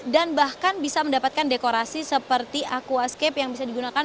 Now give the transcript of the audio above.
dan bahkan bisa mendapatkan dekorasi seperti aquascape yang bisa digunakan